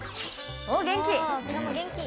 おお元気！